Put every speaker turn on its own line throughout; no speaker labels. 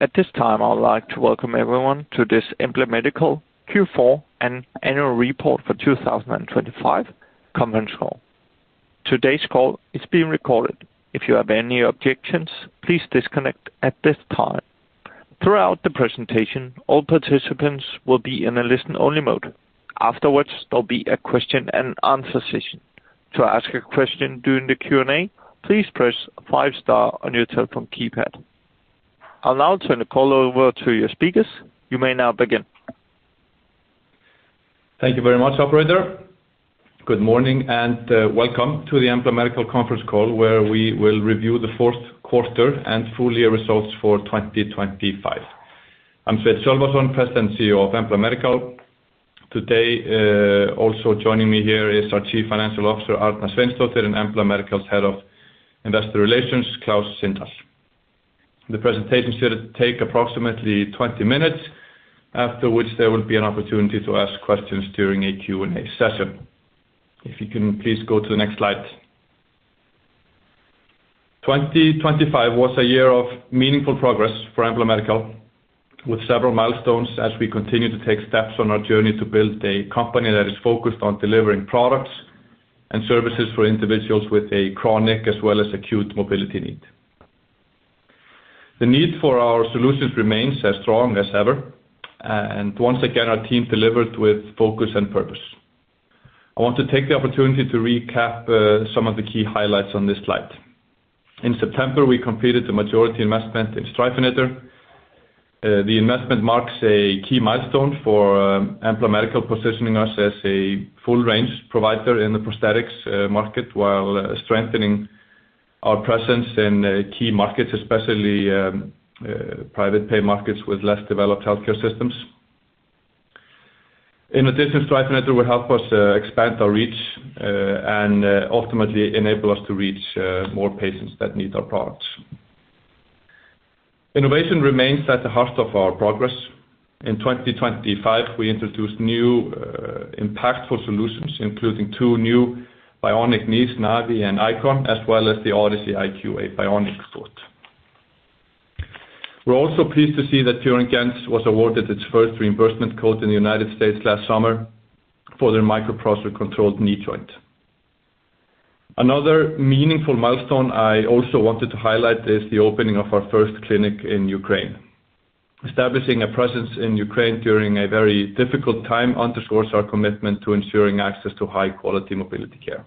At this time I'd like to welcome everyone to this Embla Medical Q4 and Annual Report for 2025 Conference Call. Today's call is being recorded. If you have any objections, please disconnect at this time. Throughout the presentation, all participants will be in a listen-only mode. Afterwards, there'll be a question-and-answer session. To ask a question during the Q&A, please press 5-star on your telephone keypad. I'll now turn the call over to your speakers. You may now begin.
Thank you very much, operator. Good morning and welcome to the Embla Medical conference call where we will review the fourth quarter and full-year results for 2025. I'm Sveinn Sölvason, President and CEO of Embla Medical. Today also joining me here is our Chief Financial Officer, Arna Sveinsdóttir, and Embla Medical's Head of Investor Relations, Klaus Sindahl. The presentation should take approximately 20 minutes, after which there will be an opportunity to ask questions during a Q&A session. If you can please go to the next slide. 2025 was a year of meaningful progress for Embla Medical, with several milestones as we continue to take steps on our journey to build a company that is focused on delivering products and services for individuals with a chronic as well as acute mobility need. The need for our solutions remains as strong as ever, and once again our team delivered with focus and purpose. I want to take the opportunity to recap some of the key highlights on this slide. In September, we completed the majority investment in Streifeneder. The investment marks a key milestone for Embla Medical positioning us as a full-range provider in the prosthetics market while strengthening our presence in key markets, especially private pay markets with less developed healthcare systems. In addition, Streifeneder will help us expand our reach and ultimately enable us to reach more patients that need our products. Innovation remains at the heart of our progress. In 2025, we introduced new impactful solutions, including two new bionic knees, NAVii and Icon, as well as the Odyssey iQ bionic support. We're also pleased to see that Fior & Gentz was awarded its first reimbursement code in the United States last summer for their microprocessor-controlled knee joint. Another meaningful milestone I also wanted to highlight is the opening of our first clinic in Ukraine. Establishing a presence in Ukraine during a very difficult time underscores our commitment to ensuring access to high-quality mobility care.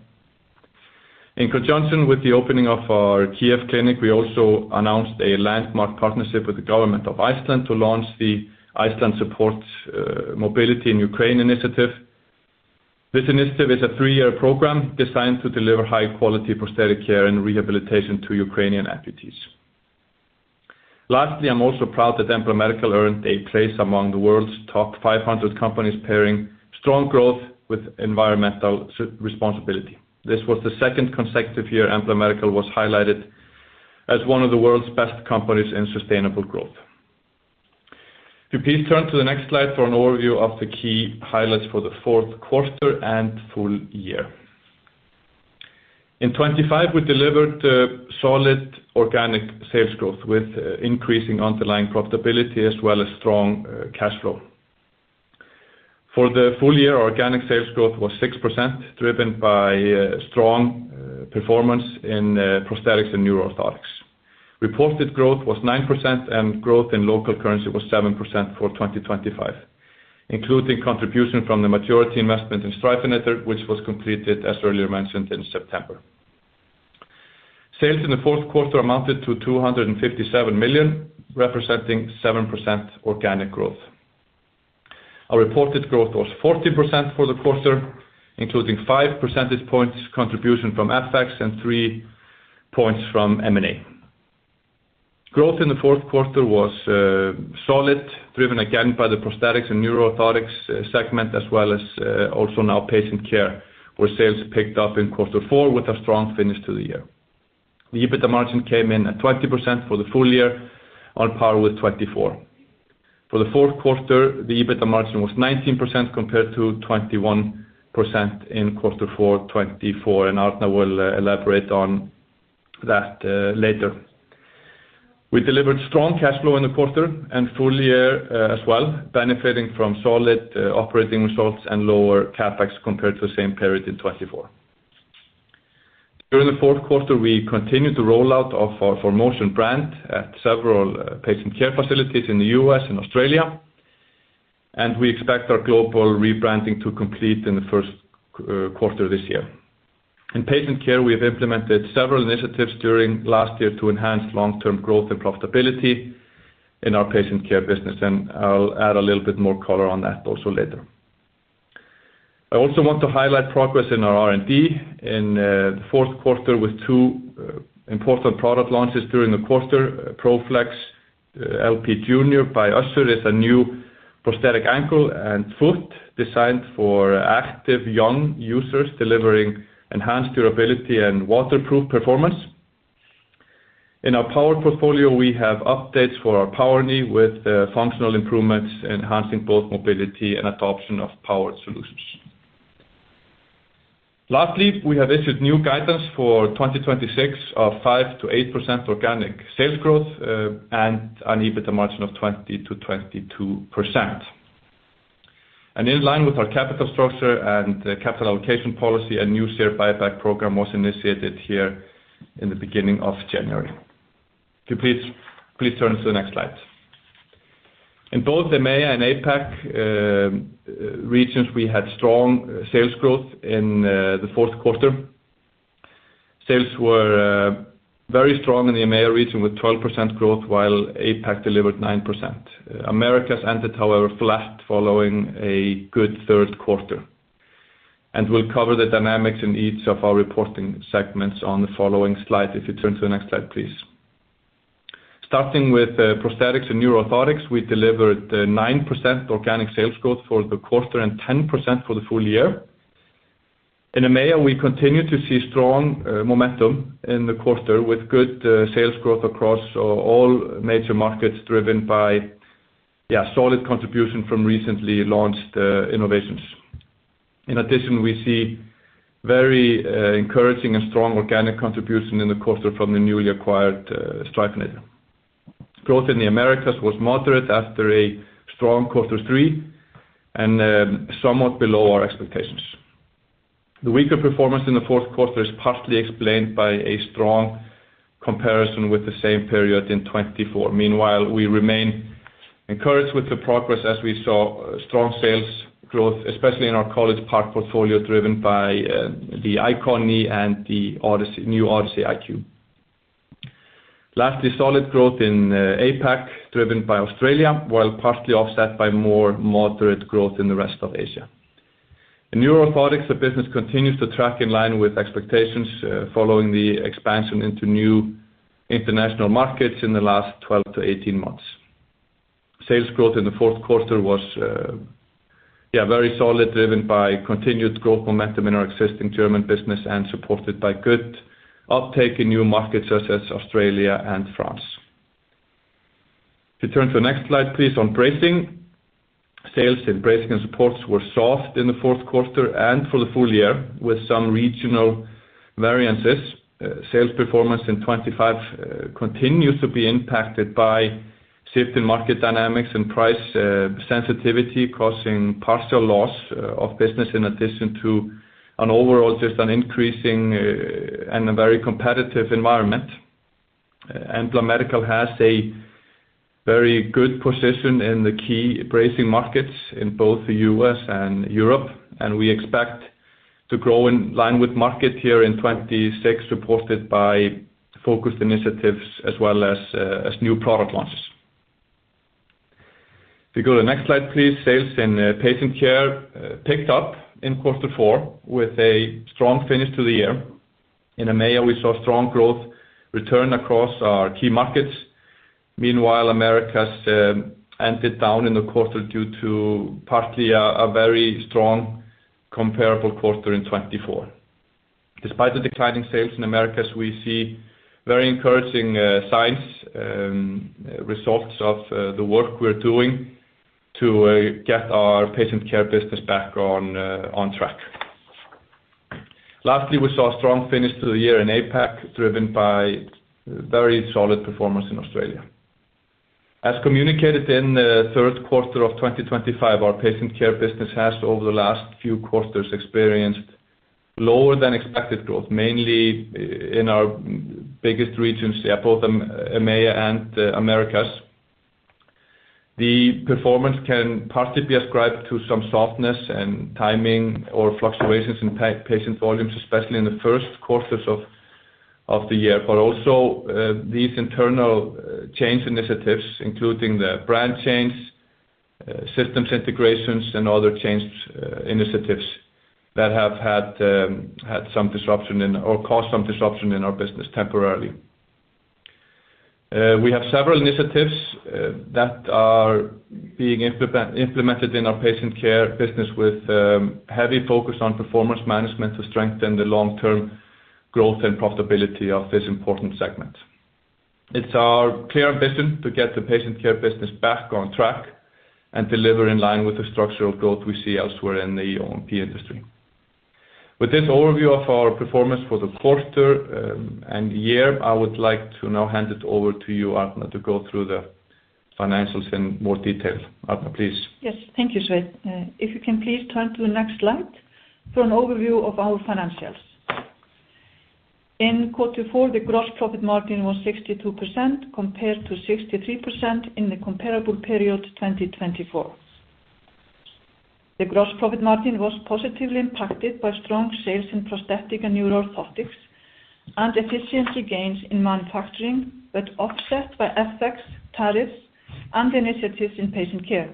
In conjunction with the opening of our Kyiv clinic, we also announced a landmark partnership with the Government of Iceland to launch the Iceland Support Mobility in Ukraine initiative. This initiative is a three-year program designed to deliver high-quality prosthetic care and rehabilitation to Ukrainian amputees. Lastly, I'm also proud that Embla Medical earned a place among the world's top 500 companies pairing strong growth with environmental responsibility. This was the second consecutive year Embla Medical was highlighted as one of the world's best companies in sustainable growth. If you please turn to the next slide for an overview of the key highlights for the fourth quarter and full year. In 2025, we delivered solid organic sales growth with increasing underlying profitability as well as strong cash flow. For the full year, organic sales growth was 6%, driven by strong performance in prosthetics and neuroorthotics. Reported growth was 9%, and growth in local currency was 7% for 2025, including contribution from the majority investment in Streifeneder, which was completed, as earlier mentioned, in September. Sales in the fourth quarter amounted to 257 million, representing 7% organic growth. Our reported growth was 14% for the quarter, including 5 percentage points contribution from FX and 3 points from M&A. Growth in the fourth quarter was solid, driven again by the prosthetics and neuro orthotics segment, as well as also now patient care, where sales picked up in quarter four with a strong finish to the year. The EBITDA margin came in at 20% for the full year, on par with 2024. For the fourth quarter, the EBITDA margin was 19% compared to 21% in quarter four 2024, and Arna will elaborate on that later. We delivered strong cash flow in the quarter and full year as well, benefiting from solid operating results and lower CapEx compared to the same period in 2024. During the fourth quarter, we continued the rollout of our ForMotion brand at several patient care facilities in the U.S. and Australia, and we expect our global rebranding to complete in the first quarter this year. In patient care, we have implemented several initiatives during last year to enhance long-term growth and profitability in our patient care business, and I'll add a little bit more color on that also later. I also want to highlight progress in our R&D in the fourth quarter with two important product launches during the quarter: Pro-Flex LP Junior by Össur is a new prosthetic ankle and foot designed for active young users, delivering enhanced durability and waterproof performance. In our power portfolio, we have updates for our Power Knee with functional improvements, enhancing both mobility and adoption of powered solutions. Lastly, we have issued new guidance for 2026 of 5%-8% organic sales growth and an EBITDA margin of 20%-22%. In line with our capital structure and capital allocation policy, a new share buyback program was initiated here in the beginning of January. If you please turn to the next slide. In both EMEA and APAC regions, we had strong sales growth in the fourth quarter. Sales were very strong in the EMEA region with 12% growth, while APAC delivered 9%. Americas ended, however, flat following a good third quarter. We'll cover the dynamics in each of our reporting segments on the following slide. If you turn to the next slide, please. Starting with prosthetics and neuro-orthotics, we delivered 9% organic sales growth for the quarter and 10% for the full year. In EMEA, we continue to see strong momentum in the quarter with good sales growth across all major markets, driven by solid contribution from recently launched innovations. In addition, we see very encouraging and strong organic contribution in the quarter from the newly acquired Streifeneder. Growth in the Americas was moderate after a strong quarter three and somewhat below our expectations. The weaker performance in the fourth quarter is partly explained by a strong comparison with the same period in 2024. Meanwhile, we remain encouraged with the progress as we saw strong sales growth, especially in our College Park portfolio, driven by the Icon knee and the new Odyssey iQ. Lastly, solid growth in APAC, driven by Australia, while partly offset by more moderate growth in the rest of Asia. In Neuro Orthotics, the business continues to track in line with expectations following the expansion into new international markets in the last 12-18 months. Sales growth in the fourth quarter was very solid, driven by continued growth momentum in our existing German business and supported by good uptake in new markets such as Australia and France. If you turn to the next slide, please, on bracing. Sales in bracing and supports were soft in the fourth quarter and for the full year, with some regional variances. Sales performance in 2025 continues to be impacted by shift in market dynamics and price sensitivity, causing partial loss of business in addition to an overall just an increasing and a very competitive environment. Embla Medical has a very good position in the key bracing markets in both the U.S. and Europe, and we expect to grow in line with market year in 2026, reported by focused initiatives as well as new product launches. If you go to the next slide, please, sales in patient care picked up in quarter four with a strong finish to the year. In EMEA, we saw strong growth return across our key markets. Meanwhile, Americas ended down in the quarter due partly to a very strong comparable quarter in 2024. Despite the declining sales in Americas, we see very encouraging signs, results of the work we're doing to get our patient care business back on track. Lastly, we saw a strong finish to the year in APAC, driven by very solid performance in Australia. As communicated in the third quarter of 2025, our patient care business has over the last few quarters experienced lower-than-expected growth, mainly in our biggest regions, both EMEA and Americas. The performance can partly be ascribed to some softness and timing or fluctuations in patient volumes, especially in the first quarters of the year, but also these internal change initiatives, including the brand change, systems integrations, and other change initiatives that have had some disruption in or caused some disruption in our business temporarily. We have several initiatives that are being implemented in our patient care business with heavy focus on performance management to strengthen the long-term growth and profitability of this important segment. It's our clear ambition to get the patient care business back on track and deliver in line with the structural growth we see elsewhere in the O&P industry. With this overview of our performance for the quarter and year, I would like to now hand it over to you, Arna, to go through the financials in more detail. Arna, please.
Yes. Thank you, Sveinn. If you can please turn to the next slide for an overview of our financials. In quarter four, the gross profit margin was 62% compared to 63% in the comparable period 2024. The gross profit margin was positively impacted by strong sales in prosthetic and Neuro Orthotics and efficiency gains in manufacturing, but offset by FX tariffs and initiatives in patient care.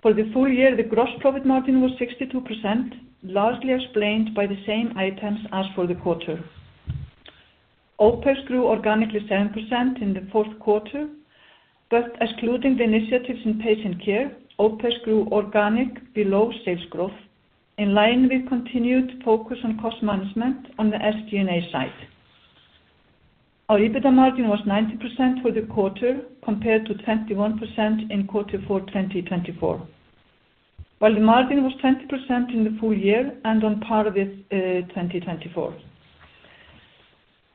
For the full year, the gross profit margin was 62%, largely explained by the same items as for the quarter. OpEx grew organically 7% in the fourth quarter, but excluding the initiatives in patient care, OpEx grew organic below sales growth, in line with continued focus on cost management on the SG&A side. Our EBITDA margin was 90% for the quarter compared to 21% in quarter four 2024, while the margin was 20% in the full year and on par with 2024.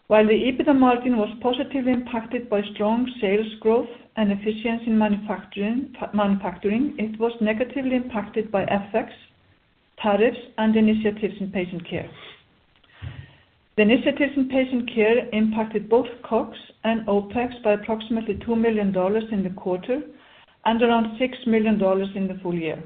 While the EBITDA margin was positively impacted by strong sales growth and efficiency in manufacturing, it was negatively impacted by FX tariffs and initiatives in patient care. The initiatives in patient care impacted both COGS and OpEx by approximately $2 million in the quarter and around $6 million in the full year.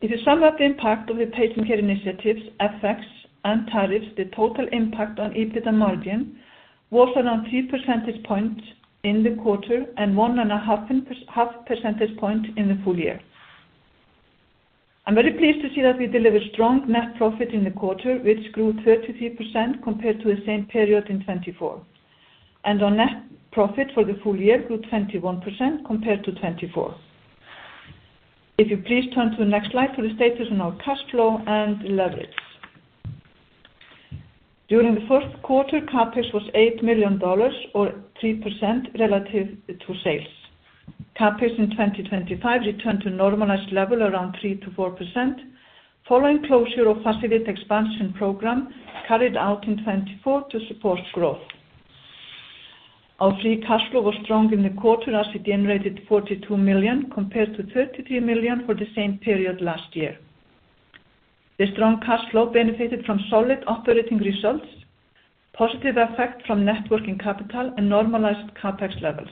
If you sum up the impact of the patient care initiatives, FX, and tariffs, the total impact on EBITDA margin was around 3 percentage points in the quarter and 1.5 percentage point in the full year. I'm very pleased to see that we delivered strong net profit in the quarter, which grew 33% compared to the same period in 2024, and our net profit for the full year grew 21% compared to 2024. If you please turn to the next slide for the status on our cash flow and leverage. During the first quarter, CapEx was $8 million or 3% relative to sales. CapEx in 2025 returned to normalized level around 3%-4% following closure of facility expansion program carried out in 2024 to support growth. Our free cash flow was strong in the quarter as it generated $42 million compared to $33 million for the same period last year. The strong cash flow benefited from solid operating results, positive effect from working capital, and normalized CapEx levels.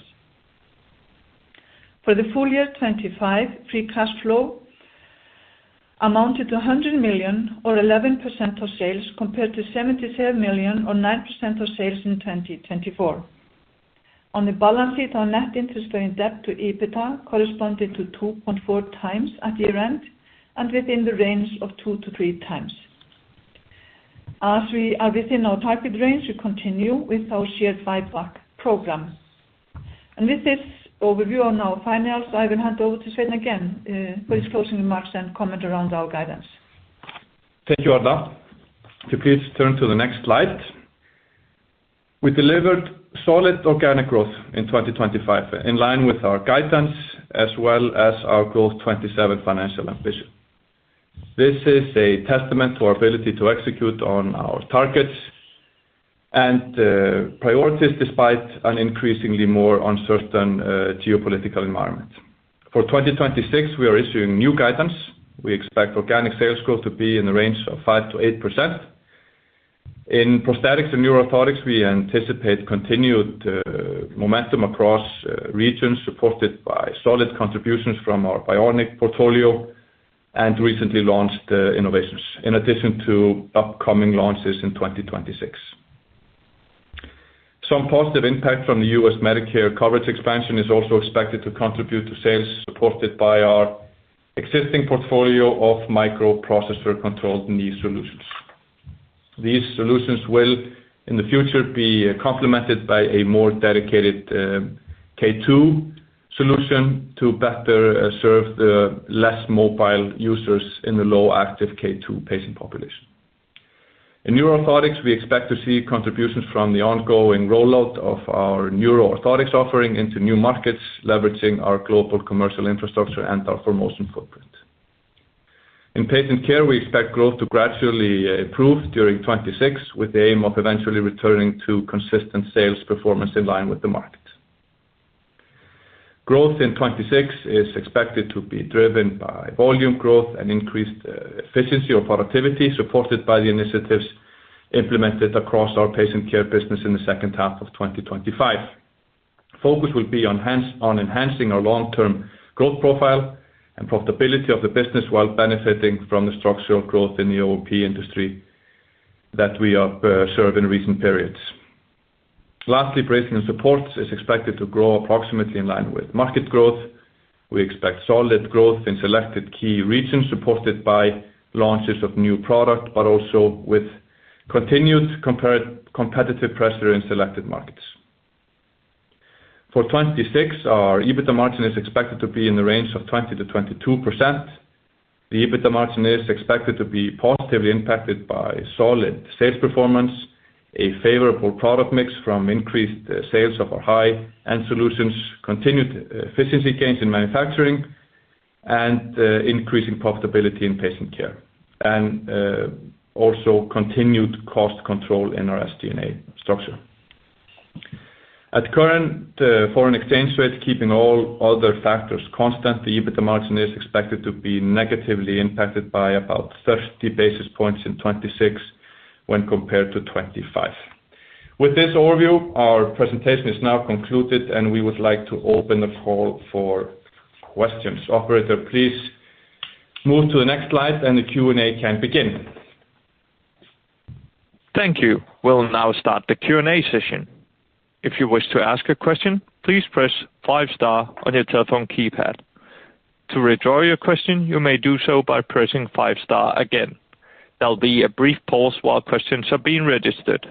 For the full year 2025, free cash flow amounted to $100 million or 11% of sales compared to $75 million or 9% of sales in 2024. On the balance sheet, our net interest-bearing debt to EBITDA corresponded to 2.4x at year-end and within the range of 2x-3x. As we are within our target range, we continue with our share buyback program. With this overview of our financials, I will hand over to Sveinn again for his closing remarks and comment around our guidance.
Thank you, Arna. If you please turn to the next slide. We delivered solid organic growth in 2025 in line with our guidance as well as our Growth 2027 financial ambition. This is a testament to our ability to execute on our targets and priorities despite an increasingly more uncertain geopolitical environment. For 2026, we are issuing new guidance. We expect organic sales growth to be in the range of 5%-8%. In prosthetics and neuroorthotics, we anticipate continued momentum across regions, supported by solid contributions from our Bionic portfolio and recently launched innovations, in addition to upcoming launches in 2026. Some positive impact from the U.S. Medicare coverage expansion is also expected to contribute to sales supported by our existing portfolio of microprocessor-controlled knee solutions. These solutions will, in the future, be complemented by a more dedicated K2 solution to better serve the less mobile users in the low-active K2 patient population. In neuroorthotics, we expect to see contributions from the ongoing rollout of our neuroorthotics offering into new markets, leveraging our global commercial infrastructure and our ForMotion footprint. In patient care, we expect growth to gradually improve during 2026 with the aim of eventually returning to consistent sales performance in line with the market. Growth in 2026 is expected to be driven by volume growth and increased efficiency or productivity supported by the initiatives implemented across our patient care business in the second half of 2025. Focus will be on enhancing our long-term growth profile and profitability of the business while benefiting from the structural growth in the O&P industry that we have served in recent periods. Lastly, bracing and supports is expected to grow approximately in line with market growth. We expect solid growth in selected key regions supported by launches of new product, but also with continued competitive pressure in selected markets. For 2026, our EBITDA margin is expected to be in the range of 20%-22%. The EBITDA margin is expected to be positively impacted by solid sales performance, a favorable product mix from increased sales of our high-end solutions, continued efficiency gains in manufacturing, and increasing profitability in patient care, and also continued cost control in our SG&A structure. At current foreign exchange rate, keeping all other factors constant, the EBITDA margin is expected to be negatively impacted by about 30 basis points in 2026 when compared to 2025. With this overview, our presentation is now concluded, and we would like to open the call for questions. Operator, please move to the next slide, and the Q&A can begin.
Thank you. We'll now start the Q&A session. If you wish to ask a question, please press five-star on your telephone keypad. To withdraw your question, you may do so by pressing five-star again. There'll be a brief pause while questions are being registered.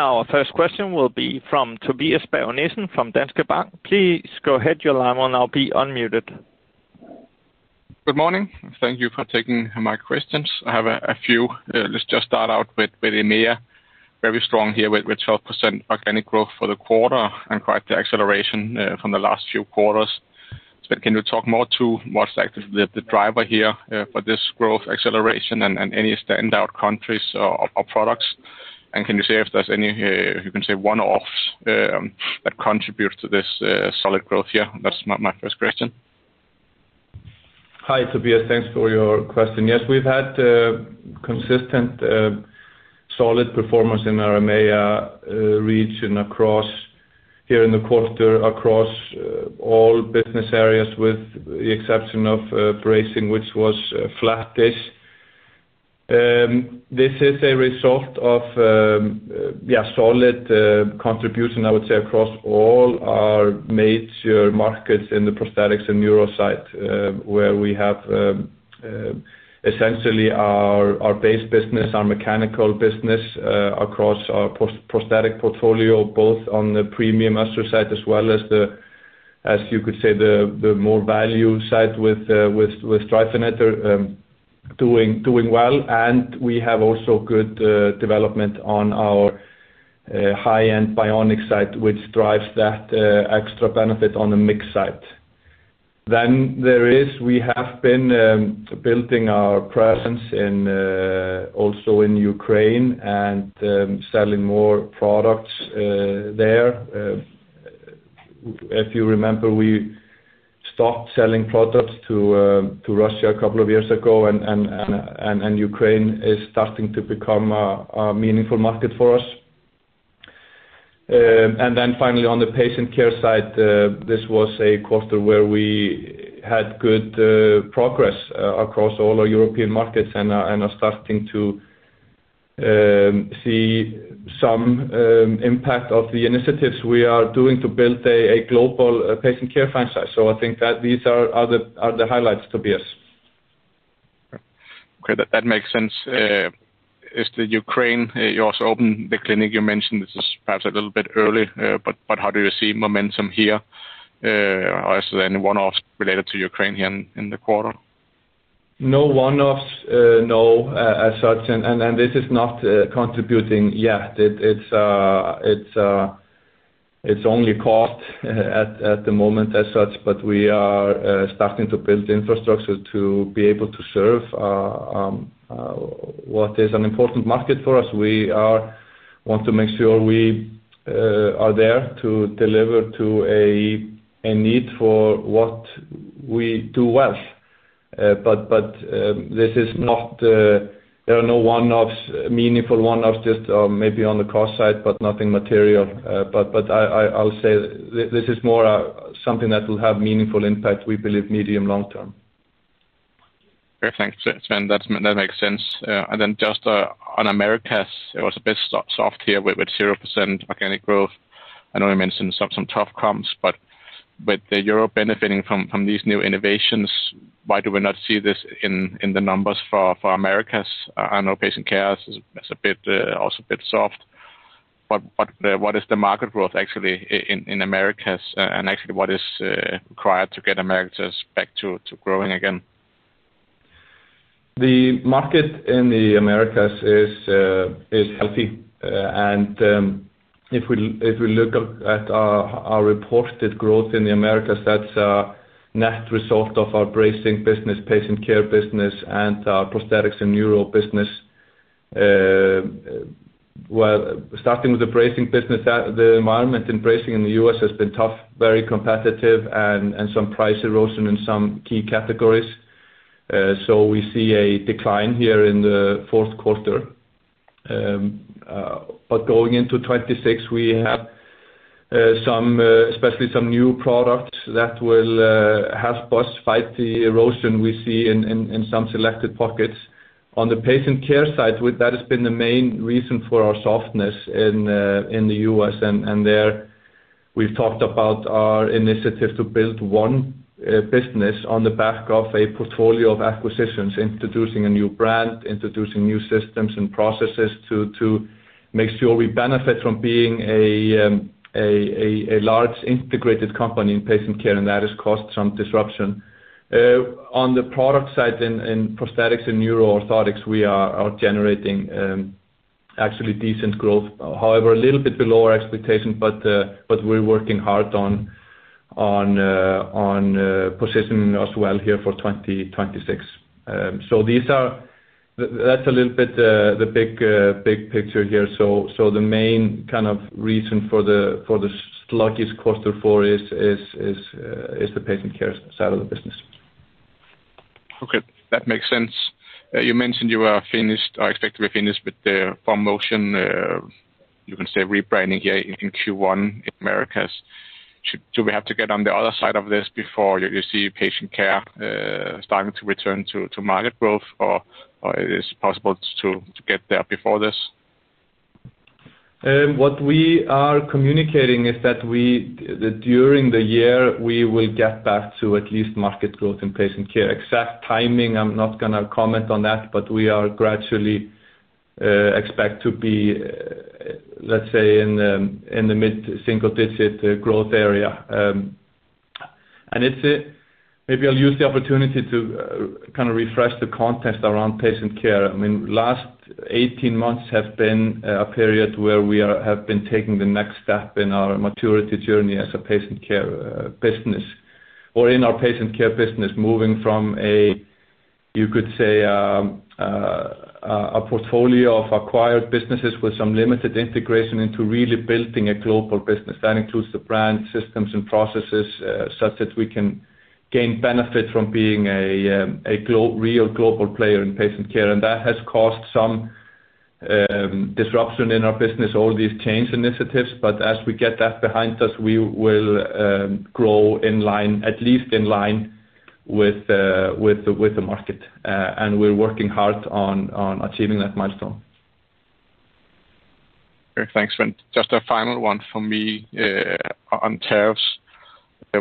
Our first question will be from Tobias Berg Nissen from Danske Bank. Please go ahead. Your line will now be unmuted.
Good morning. Thank you for taking my questions. I have a few. Let's just start out with EMEA, very strong here with 12% organic growth for the quarter and quite the acceleration from the last few quarters. Sveinn, can you talk more to what's actually the driver here for this growth acceleration and any standout countries or products? And can you say if there's any you can say one-offs that contribute to this solid growth here? That's my first question.
Hi, Tobias. Thanks for your question. Yes, we've had consistent solid performance in our EMEA region here in the quarter across all business areas with the exception of bracing, which was flattish. This is a result of, yeah, solid contribution, I would say, across all our major markets in the prosthetics and neuro side where we have essentially our base business, our mechanical business across our prosthetic portfolio, both on the premium Össur side as well as the, as you could say, the more value side with Streifeneder doing well. And we have also good development on our high-end Bionic side, which drives that extra benefit on the mix side. Then there is we have been building our presence also in Ukraine and selling more products there. If you remember, we stopped selling products to Russia a couple of years ago, and Ukraine is starting to become a meaningful market for us. Then finally, on the patient care side, this was a quarter where we had good progress across all our European markets and are starting to see some impact of the initiatives we are doing to build a global patient care franchise. I think that these are the highlights, Tobias.
Okay. That makes sense. Is the Ukraine you also opened the clinic you mentioned? This is perhaps a little bit early, but how do you see momentum here as then one-offs related to Ukraine here in the quarter?
No one-offs, no, as such. This is not contributing yet. It's only cost at the moment as such, but we are starting to build infrastructure to be able to serve what is an important market for us. We want to make sure we are there to deliver to a need for what we do well. But this is not. There are no one-offs, meaningful one-offs, just maybe on the cost side, but nothing material. But I'll say this is more something that will have meaningful impact, we believe, medium-long term.
Perfect, Sveinn. That makes sense. Then just on Americas, it was a bit soft here with 0% organic growth. I know you mentioned some tough comps, but with Europe benefiting from these new innovations, why do we not see this in the numbers for Americas? I know patient care is also a bit soft. But what is the market growth actually in Americas, and actually, what is required to get Americas back to growing again?
The market in the Americas is healthy. And if we look at our reported growth in the Americas, that's a net result of our bracing business, patient care business, and our prosthetics and neuro business. Well, starting with the bracing business, the environment in bracing in the U.S. has been tough, very competitive, and some price erosion in some key categories. So we see a decline here in the fourth quarter. But going into 2026, we have especially some new products that will help us fight the erosion we see in some selected pockets. On the patient care side, that has been the main reason for our softness in the U.S. And there, we've talked about our initiative to build one business on the back of a portfolio of acquisitions, introducing a new brand, introducing new systems and processes to make sure we benefit from being a large integrated company in patient care, and that has caused some disruption. On the product side in prosthetics and neuro orthotics, we are generating actually decent growth, however, a little bit below our expectation, but we're working hard on positioning as well here for 2026. So that's a little bit the big picture here. So the main kind of reason for the sluggish quarter four is the patient care side of the business.
Okay. That makes sense. You mentioned you are finished or expected to be finished with the ForMotion, you can say, rebranding here in Q1 in Americas. Do we have to get on the other side of this before you see patient care starting to return to market growth, or is it possible to get there before this?
What we are communicating is that during the year, we will get back to at least market growth in patient care. Exact timing, I'm not going to comment on that, but we are gradually expected to be, let's say, in the mid-single-digit growth area. Maybe I'll use the opportunity to kind of refresh the context around patient care. I mean, last 18 months have been a period where we have been taking the next step in our maturity journey as a patient care business or in our patient care business, moving from a, you could say, a portfolio of acquired businesses with some limited integration into really building a global business. That includes the brands, systems, and processes such that we can gain benefit from being a real global player in patient care. That has caused some disruption in our business, all these change initiatives. But as we get that behind us, we will grow in line, at least in line with the market. We're working hard on achieving that milestone.
Perfect. Thanks, Sveinn. Just a final one from me on tariffs.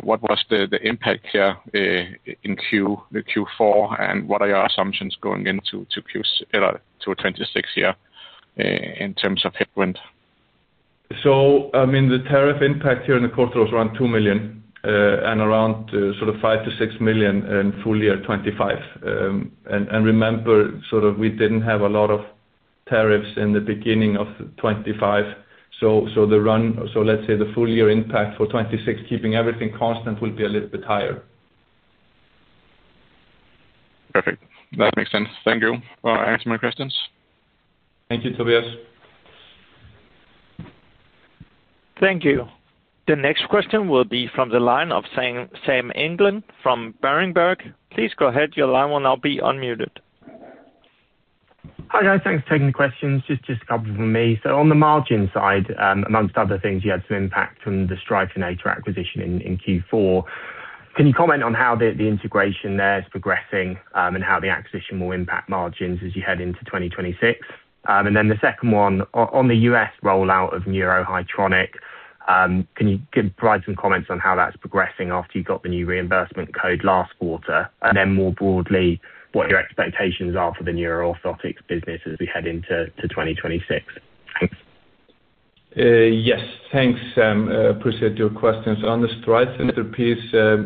What was the impact here in Q4, and what are your assumptions going into Q2 or 2026 here in terms of headwind?
So, I mean, the tariff impact here in the quarter was around $2 million and around sort of $5 million-$6 million in full year 2025. And remember, sort of we didn't have a lot of tariffs in the beginning of 2025. So let's say the full year impact for 2026, keeping everything constant, will be a little bit higher.
Perfect. That makes sense. Thank you for answering my questions.
Thank you, Tobias.
Thank you. The next question will be from the line of Sam England from Berenberg. Please go ahead. Your line will now be unmuted.
Hi, guys. Thanks for taking the questions. Just a couple from me. So on the margin side, among other things, you had some impact from the Streifeneder acquisition in Q4. Can you comment on how the integration there is progressing and how the acquisition will impact margins as you head into 2026? And then the second one, on the U.S. rollout of Neuro Orthotics, can you provide some comments on how that's progressing after you've got the new reimbursement code last quarter? And then more broadly, what your expectations are for the neuroorthotics business as we head into 2026. Thanks.
Yes. Thanks, Sam. Appreciate your questions. On the Streifeneder piece,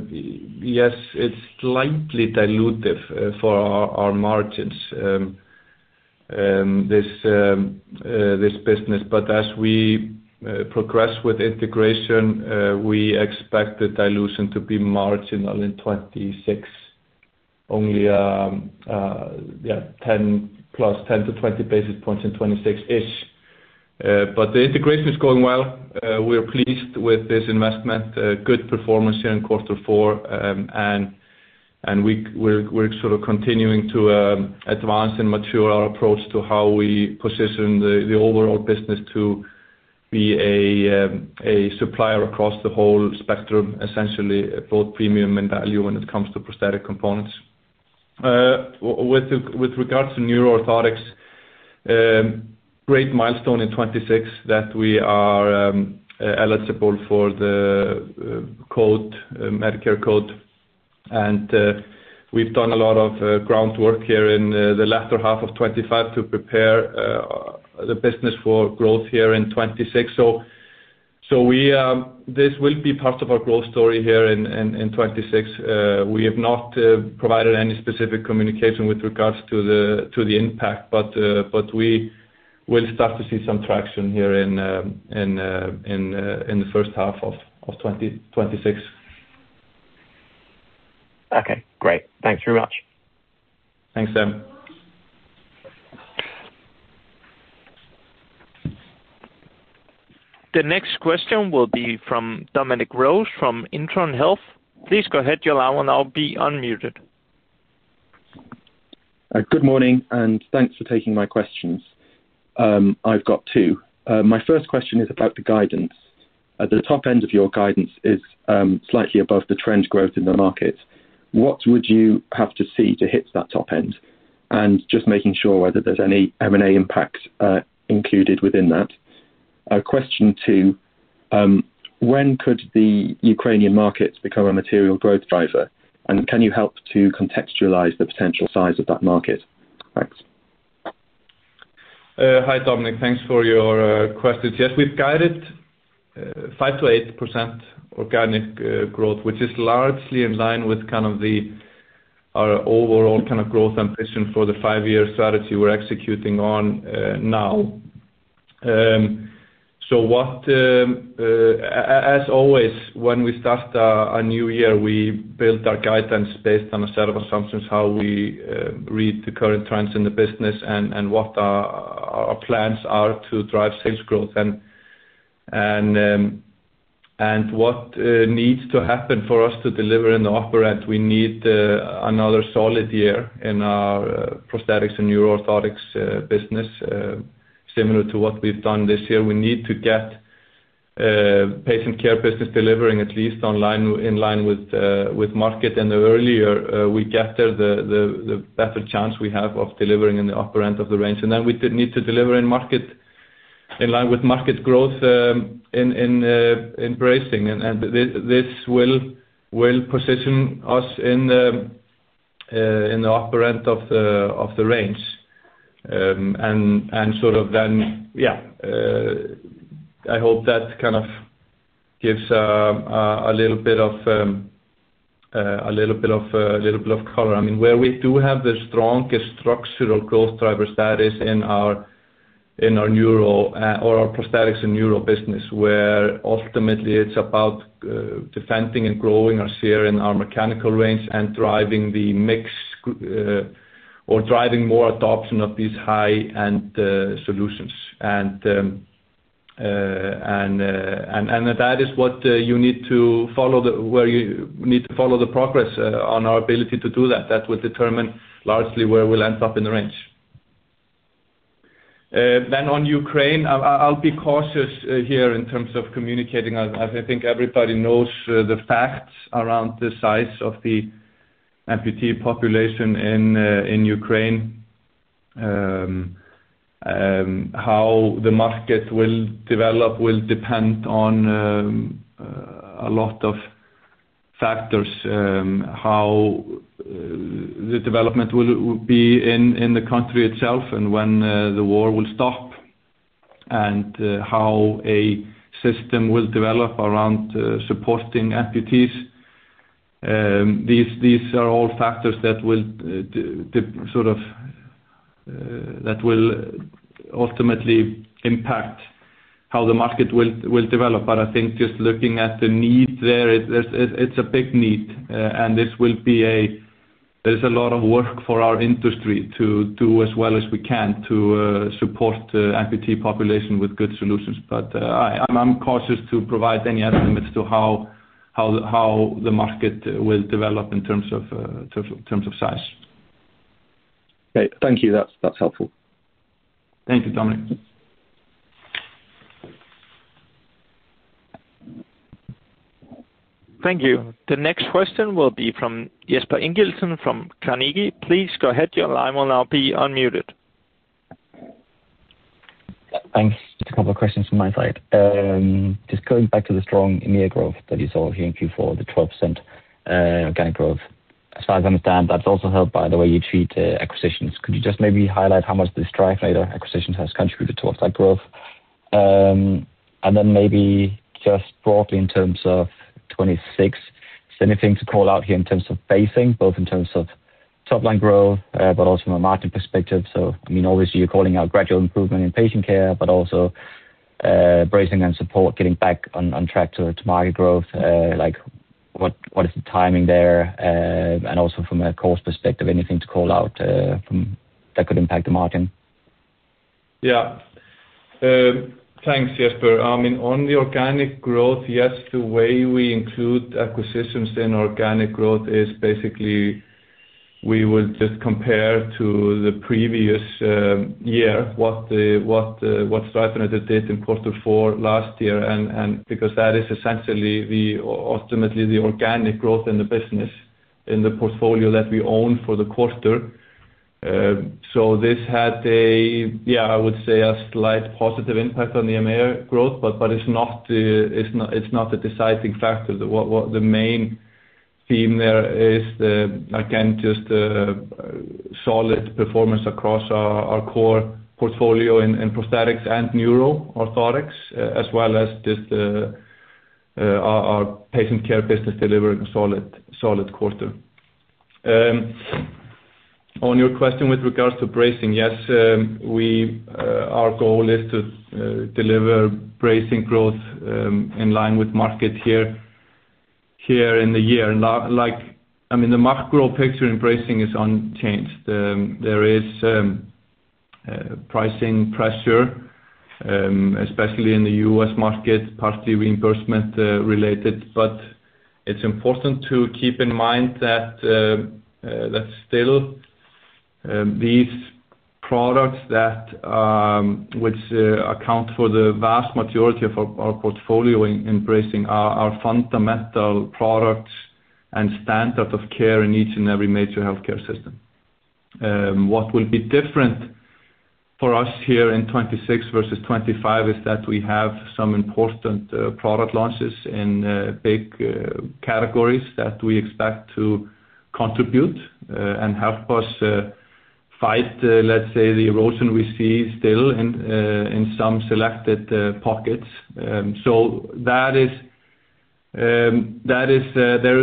yes, it's slightly dilutive for our margins, this business. But as we progress with integration, we expect the dilution to be marginal in 2026, only, yeah, +10-20 basis points in 2026-ish. But the integration is going well. We're pleased with this investment, good performance here in quarter four. And we're sort of continuing to advance and mature our approach to how we position the overall business to be a supplier across the whole spectrum, essentially, both premium and value when it comes to prosthetic components. With regards to neuro orthotics, great milestone in 2026 that we are eligible for the Medicare code. And we've done a lot of groundwork here in the latter half of 2025 to prepare the business for growth here in 2026. So this will be part of our growth story here in 2026. We have not provided any specific communication with regards to the impact, but we will start to see some traction here in the first half of 2026.
Okay. Great. Thanks very much.
Thanks, Sam.
The next question will be from Dominic Rose from Intron Health. Please go ahead. Your line will now be unmuted.
Good morning, and thanks for taking my questions. I've got two. My first question is about the guidance. The top end of your guidance is slightly above the trend growth in the market. What would you have to see to hit that top end? And just making sure whether there's any M&A impacts included within that. Question two, when could the Ukrainian markets become a material growth driver? And can you help to contextualize the potential size of that market? Thanks.
Hi, Dominic. Thanks for your questions. Yes, we've guided 5%-8% organic growth, which is largely in line with kind of our overall kind of growth ambition for the five-year strategy we're executing on now. So as always, when we start a new year, we build our guidance based on a set of assumptions, how we read the current trends in the business, and what our plans are to drive sales growth. And what needs to happen for us to deliver in the upper end? We need another solid year in our prosthetics and neuroorthotics business, similar to what we've done this year. We need to get patient care business delivering at least in line with market. And the earlier we get there, the better chance we have of delivering in the upper end of the range. And then we need to deliver in line with market growth in bracing. This will position us in the upper end of the range. Sort of then, yeah, I hope that kind of gives a little bit of color. I mean, where we do have the strongest structural growth driver, that is, in our neuro or our prosthetics and neuro business, where ultimately, it's about defending and growing us here in our mechanical range and driving the mix or driving more adoption of these high-end solutions. And that is what you need to follow, where you need to follow the progress on our ability to do that. That will determine largely where we'll end up in the range. Then on Ukraine, I'll be cautious here in terms of communicating. I think everybody knows the facts around the size of the amputee population in Ukraine. How the market will develop will depend on a lot of factors, how the development will be in the country itself and when the war will stop, and how a system will develop around supporting amputees. These are all factors that will sort of that will ultimately impact how the market will develop. But I think just looking at the need there, it's a big need. And this will be a there is a lot of work for our industry to do as well as we can to support the amputee population with good solutions. But I'm cautious to provide any estimates to how the market will develop in terms of size.
Okay. Thank you. That's helpful.
Thank you, Dominic.
Thank you. The next question will be from Jesper Ingildsen from Carnegie. Please go ahead. Your line will now be unmuted.
Thanks. Just a couple of questions from my side. Just going back to the strong MEA growth that you saw here in Q4, the 12% organic growth, as far as I understand, that's also helped by the way you treat acquisitions. Could you just maybe highlight how much the Streifeneder acquisitions has contributed towards that growth? And then maybe just broadly in terms of 2026, is there anything to call out here in terms of guidance, both in terms of top-line growth, but also from a margin perspective? So, I mean, obviously, you're calling out gradual improvement in patient care, but also bracing and support, getting back on track to market growth. What is the timing there? And also from a cost perspective, anything to call out that could impact the margin?
Yeah. Thanks, Jesper. I mean, on the organic growth, yes, the way we include acquisitions in organic growth is basically we will just compare to the previous year what Streifeneder did in quarter four last year because that is essentially, ultimately, the organic growth in the business, in the portfolio that we own for the quarter. So this had a, yeah, I would say, a slight positive impact on the MEA growth, but it's not the deciding factor. The main theme there is, again, just solid performance across our core portfolio in prosthetics and neuroorthotics, as well as just our patient care business delivering a solid quarter. On your question with regards to bracing, yes, our goal is to deliver bracing growth in line with market here in the year. I mean, the macro picture in bracing is unchanged. There is pricing pressure, especially in the U.S. market, partly reimbursement-related. But it's important to keep in mind that still, these products which account for the vast majority of our portfolio in bracing are fundamental products and standard of care in each and every major healthcare system. What will be different for us here in 2026 versus 2025 is that we have some important product launches in big categories that we expect to contribute and help us fight, let's say, the erosion we see still in some selected pockets. So there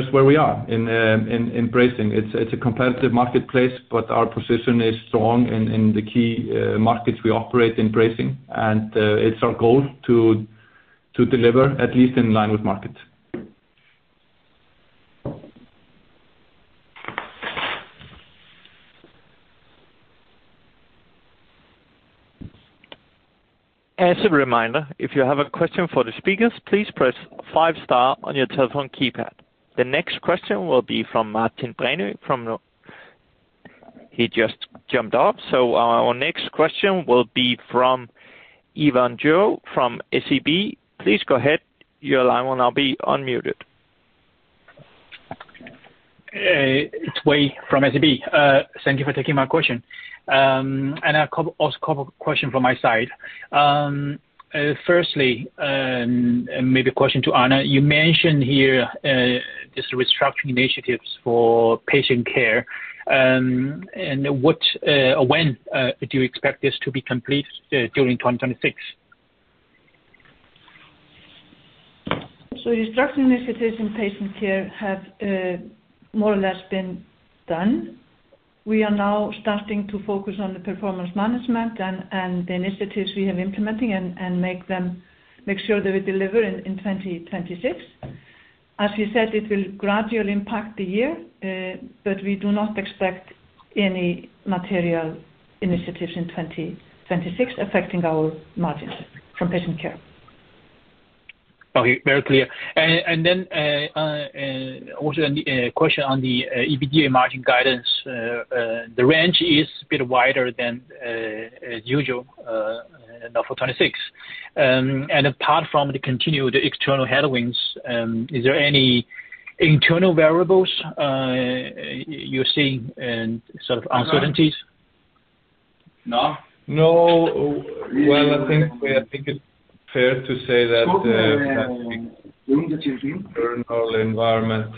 is where we are in bracing. It's a competitive marketplace, but our position is strong in the key markets we operate in bracing. It's our goal to deliver, at least in line with market.
As a reminder, if you have a question for the speakers, please press five-star on your telephone keypad. The next question will be from Martin Brenøe. He just jumped up. So our next question will be from Yiwei Zhou from SEB. Please go ahead. Your line will now be unmuted.
It's Wei from SEB. Thank you for taking my question. Also a couple of questions from my side. Firstly, maybe a question to Arna. You mentioned here just restructuring initiatives for patient care. When do you expect this to be complete during 2026?
Restructuring initiatives in patient care have more or less been done. We are now starting to focus on the performance management and the initiatives we have implementing and make sure that we deliver in 2026. As you said, it will gradually impact the year, but we do not expect any material initiatives in 2026 affecting our margins from Patient Care.
Okay. Very clear. Then also a question on the EBITDA margin guidance. The range is a bit wider than usual now for 2026. Apart from the continued external headwinds, is there any internal variables you're seeing and sort of uncertainties?
No. Well, I think it's fair to say that the Internal environment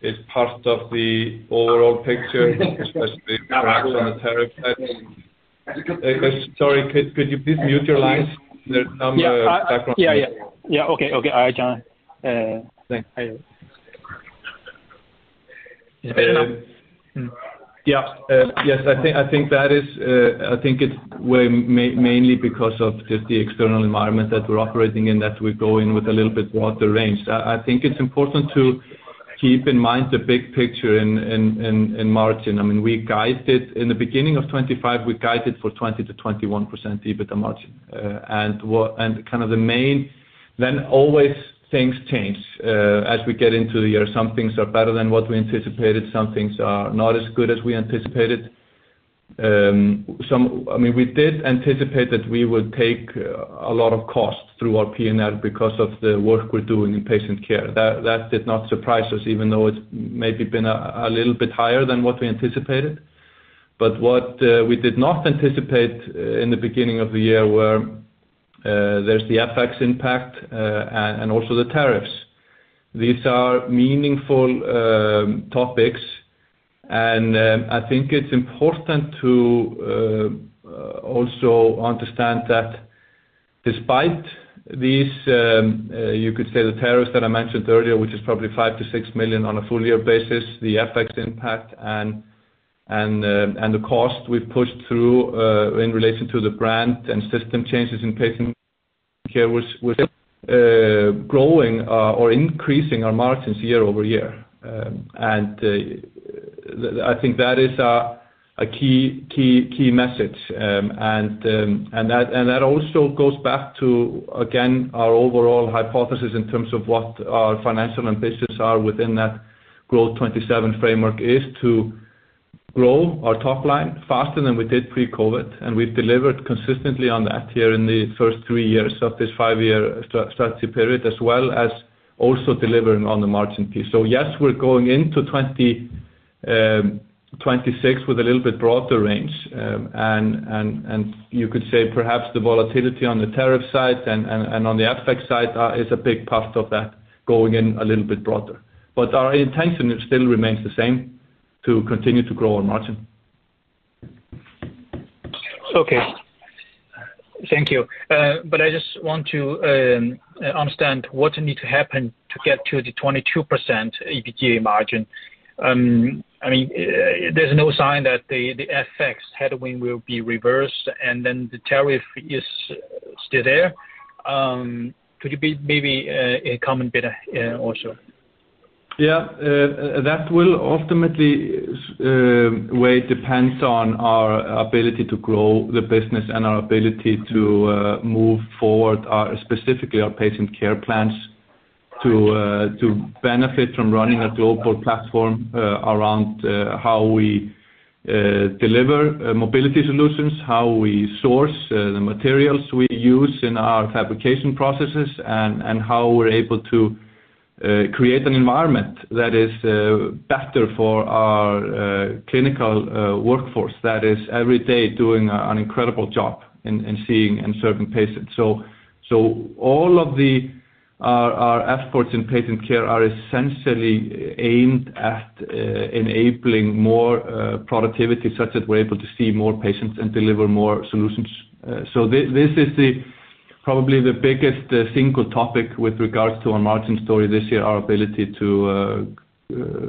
is part of the overall picture, especially the cracks on the tariffs. Sorry. Could you please mute your lines? There's some background noise.
Yeah. Okay. All right, John.
Thanks.
Is it better now?
Yeah. Yes. I think it's mainly because of just the external environment that we're operating in that we go in with a little bit broader range. I think it's important to keep in mind the big picture in margin. I mean, in the beginning of 2025, we guided for 20%-21% EBITDA margin. And kind of the main then always things change as we get into the year. Some things are better than what we anticipated. Some things are not as good as we anticipated. I mean, we did anticipate that we would take a lot of cost through our P&L because of the work we're doing in patient care. That did not surprise us, even though it's maybe been a little bit higher than what we anticipated. But what we did not anticipate in the beginning of the year were, there's the FX impact and also the tariffs. These are meaningful topics. And I think it's important to also understand that despite these you could say the tariffs that I mentioned earlier, which is probably $5 million-$6 million on a full-year basis, the FX impact and the cost we've pushed through in relation to the brand and system changes in Patient Care was still growing or increasing our margins year-over-year. And I think that is a key message. And that also goes back to, again, our overall hypothesis in terms of what our financial ambitions are within that Growth 2027 framework is to grow our top line faster than we did pre-COVID. We've delivered consistently on that here in the first three years of this five-year strategy period, as well as also delivering on the margin piece. So yes, we're going into 2026 with a little bit broader range. You could say perhaps the volatility on the tariff side and on the FX side is a big puff of that going in a little bit broader. Our intention still remains the same to continue to grow our margin.
Okay. Thank you. But I just want to understand what needs to happen to get to the 22% EBITDA margin. I mean, there's no sign that the FX headwind will be reversed and then the tariff is still there. Could you maybe comment a bit also?
Yeah. That will ultimately, it depends on our ability to grow the business and our ability to move forward, specifically our patient care plans, to benefit from running a global platform around how we deliver mobility solutions, how we source the materials we use in our fabrication processes, and how we're able to create an environment that is better for our clinical workforce that is every day doing an incredible job in seeing and serving patients. So all of our efforts in patient care are essentially aimed at enabling more productivity, such that we're able to see more patients and deliver more solutions. So this is probably the biggest single topic with regards to our margin story this year, our ability to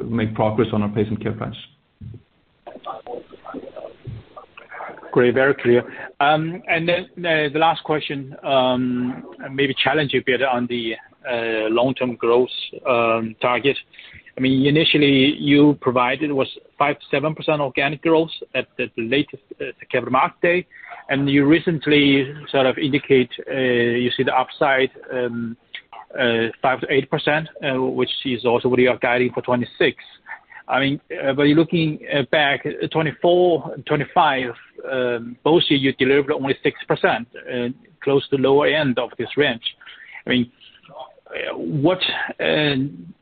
make progress on our patient care plans.
Great. Very clear. And then the last question, maybe challenge a bit on the long-term growth target. I mean, initially, you provided was 5%-7% organic growth at the latest capital market day. And you recently sort of indicate you see the upside 5%-8%, which is also what you are guiding for 2026. I mean, but looking back, 2024 and 2025, both years, you delivered only 6%, close to lower end of this range. I mean, what I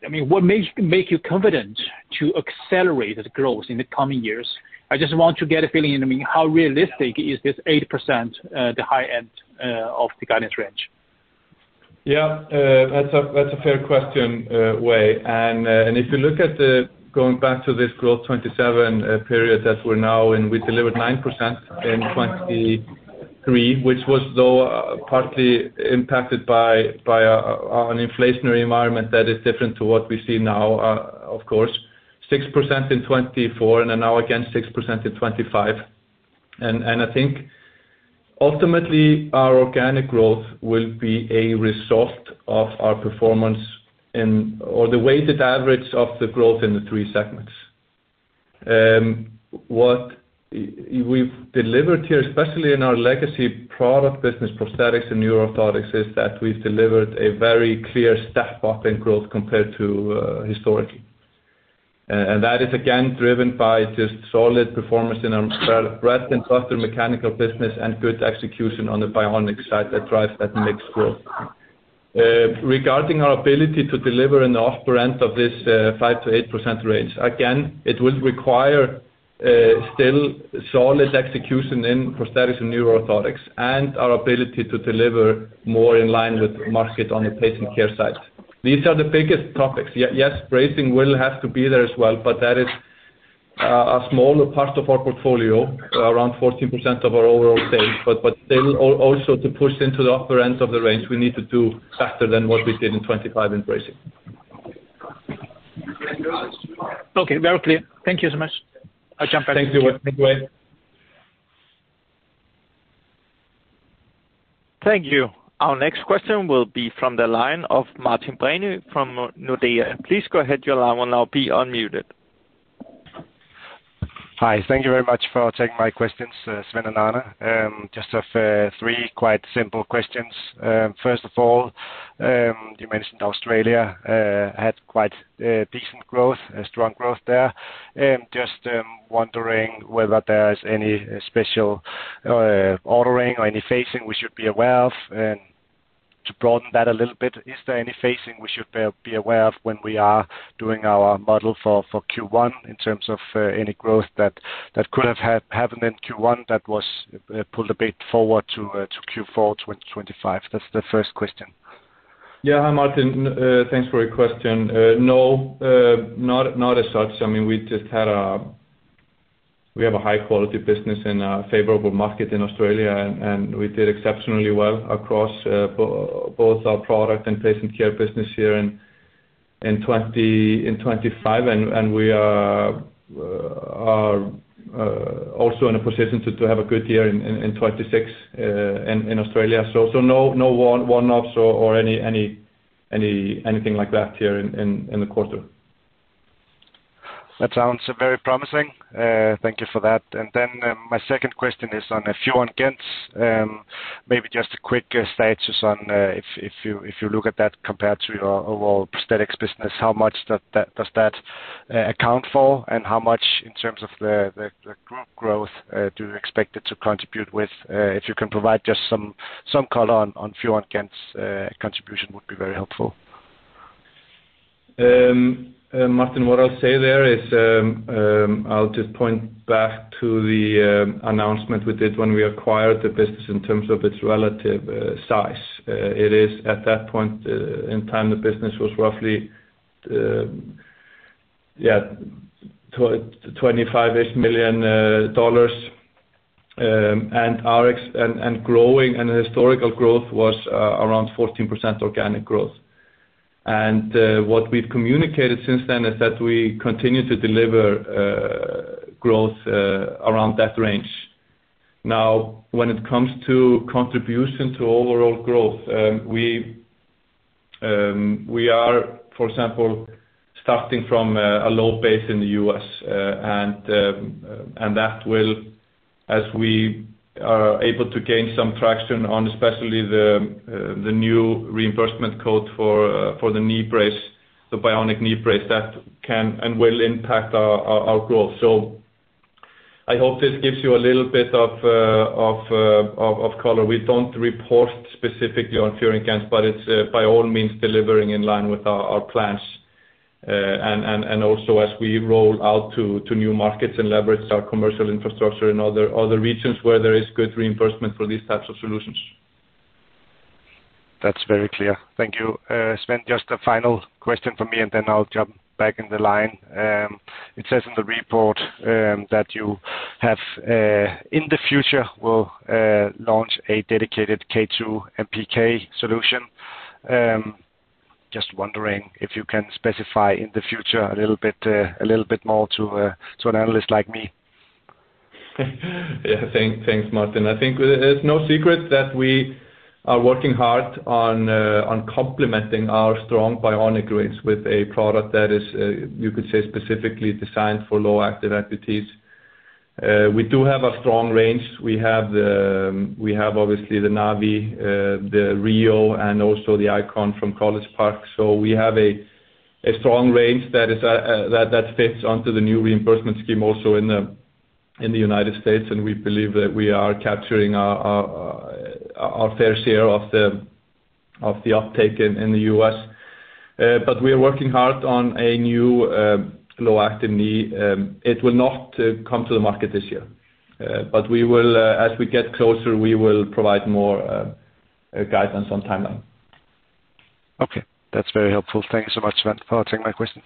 mean, what makes you confident to accelerate the growth in the coming years? I just want to get a feeling in. I mean, how realistic is this 8%, the high end of the guidance range?
Yeah. That's a fair question, Wei. If you look at, going back to, this Growth 2027 period that we're now in, we delivered 9% in 2023, which was, though, partly impacted by an inflationary environment that is different to what we see now, of course, 6% in 2024 and then now again 6% in 2025. I think, ultimately, our organic growth will be a result of our performance in, or the weighted average of, the growth in the three segments. What we've delivered here, especially in our legacy product business, prosthetics and neuroorthotics, is that we've delivered a very clear step up in growth compared to historically. That is, again, driven by just solid performance in our bracing and custom mechanical business and good execution on the bionics side that drives that mixed growth. Regarding our ability to deliver an offer end of this 5%-8% range, again, it will require still solid execution in prosthetics and neuroorthotics and our ability to deliver more in line with market on the patient care side. These are the biggest topics. Yes, bracing will have to be there as well, but that is a smaller part of our portfolio, around 14% of our overall sales. But still, also to push into the upper end of the range, we need to do better than what we did in 2025 in bracing.
Okay. Very clear. Thank you so much. I'll jump back. Thank you.
Thank you, Wei.
Thank you. Our next question will be from the line of Martin Brenøe from Nordea. Please go ahead. Your line will now be unmuted.
Hi. Thank you very much for taking my questions, Sveinn and Arna. Just have three quite simple questions. First of all, you mentioned Australia had quite decent growth, strong growth there. Just wondering whether there is any special ordering or any phasing we should be aware of. And to broaden that a little bit, is there any phasing we should be aware of when we are doing our model for Q1 in terms of any growth that could have happened in Q1 that was pulled a bit forward to Q4 2025? That's the first question.
Yeah. Hi, Martin. Thanks for your question. No, not as such. I mean, we have a high-quality business and a favorable market in Australia. We did exceptionally well across both our product and patient care business here in 2025. We are also in a position to have a good year in 2026 in Australia. So no one-offs or anything like that here in the quarter.
That sounds very promising. Thank you for that. And then my second question is on Fior & Gentz. Maybe just a quick status on if you look at that compared to your overall prosthetics business, how much does that account for? And how much, in terms of the group growth, do you expect it to contribute with? If you can provide just some color on Fior & Gentz's contribution would be very helpful.
Martin, what I'll say there is I'll just point back to the announcement we did when we acquired the business in terms of its relative size. It is, at that point in time, the business was roughly, yeah, $25 million. And growing and historical growth was around 14% organic growth. And what we've communicated since then is that we continue to deliver growth around that range. Now, when it comes to contribution to overall growth, we are, for example, starting from a low base in the U.S. And that will, as we are able to gain some traction on especially the new reimbursement code for the knee brace, the bionic knee brace, that can and will impact our growth. So I hope this gives you a little bit of color. We don't report specifically on Fior & Gentz, but it's, by all means, delivering in line with our plans. And also, as we roll out to new markets and leverage our commercial infrastructure in other regions where there is good reimbursement for these types of solutions.
That's very clear. Thank you, Sveinn. Just a final question for me, and then I'll jump back in the line. It says in the report that you have, in the future, will launch a dedicated K2 MPK solution. Just wondering if you can specify, in the future, a little bit more to an analyst like me.
Yeah. Thanks, Martin. I think it's no secret that we are working hard on complementing our strong bionic range with a product that is, you could say, specifically designed for low-active amputees. We do have a strong range. We have, obviously, the NAVii, the Rheo, and also the Icon from College Park. So we have a strong range that fits onto the new reimbursement scheme also in the United States. And we believe that we are capturing our fair share of the uptake in the U.S. But we are working hard on a new low-active knee. It will not come to the market this year. But as we get closer, we will provide more guidance on timeline.
Okay. That's very helpful. Thanks so much, Sveinn, for taking my questions.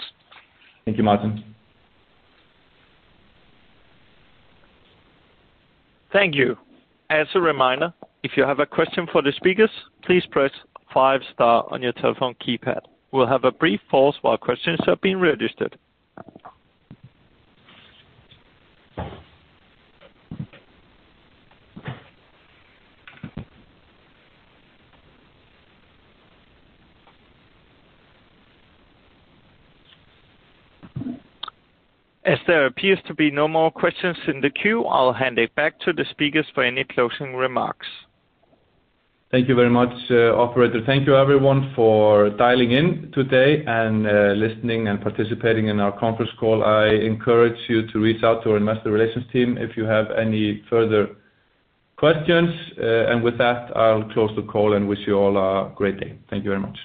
Thank you, Martin.
Thank you. As a reminder, if you have a question for the speakers, please press 5-star on your telephone keypad. We'll have a brief pause while questions are being registered. As there appears to be no more questions in the queue, I'll hand it back to the speakers for any closing remarks.
Thank you very much, operator. Thank you, everyone, for dialing in today and listening and participating in our conference call. I encourage you to reach out to our investor relations team if you have any further questions. With that, I'll close the call and wish you all a great day. Thank you very much.